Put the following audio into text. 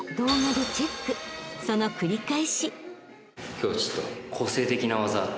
［その繰り返し］